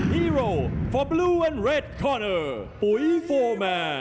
ฮีโรฟอบลูแลนด์เร็ดคอร์เนอร์ปุ๊ยโฟร์แมน